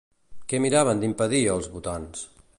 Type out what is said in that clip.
Què miraven d'impedir, els votants?